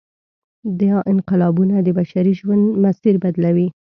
دا انقلابونه د بشري ژوند مسیر بدلوي.